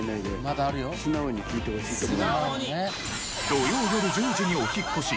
土曜よる１０時にお引っ越し！